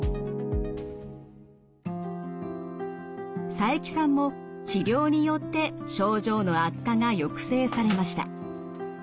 佐伯さんも治療によって症状の悪化が抑制されました。